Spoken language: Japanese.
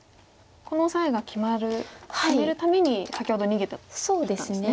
このオサエが決めるために先ほど逃げていったんですね。